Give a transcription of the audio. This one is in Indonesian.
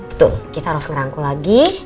betul kita harus ngerangkul lagi